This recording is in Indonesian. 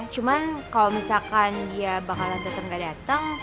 cuman kalau misalkan dia bakalan tetep gak dateng